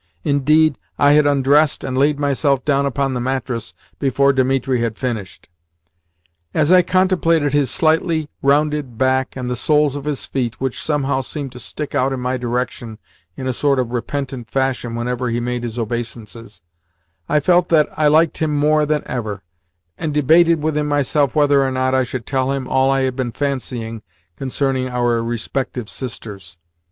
Indeed, I had undressed and laid myself down upon the mattress before Dimitri had finished. As I contemplated his slightly rounded back and the soles of his feet (which somehow seemed to stick out in my direction in a sort of repentant fashion whenever he made his obeisances), I felt that I liked him more than ever, and debated within myself whether or not I should tell him all I had been fancying concerning our respective sisters.